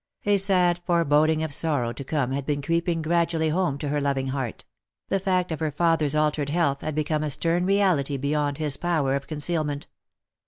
A sad foreboding of sorrow to come had been creeping gra dually home to her loving heart ; the fact of her father's altered health had become a stern reality beyond his power of conceal ment.